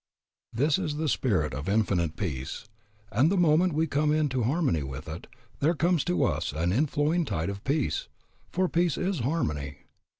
This is the Spirit of Infinite Peace, and the moment we come into harmony with it there comes to us an inflowing tide of peace, for peace is harmony.